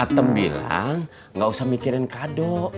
atem bilang gak usah mikirin kado